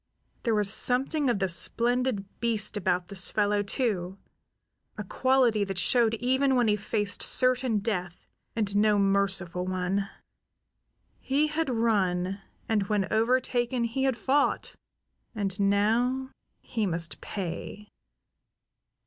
There was something of the splendid beast about this fellow, too; a quality that showed even when he faced certain death and no merciful one. He had run, and when overtaken he had fought; and now he must pay.